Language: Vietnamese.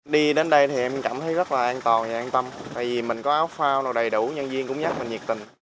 đi đến đây thì em cảm thấy rất là an toàn và an tâm tại vì mình có áo phao đầy đủ nhân viên cũng nhắc mình nhiệt tình